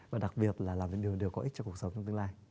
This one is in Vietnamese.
và đặc biệt là làm những điều đều có ích cho cuộc sống trong tương lai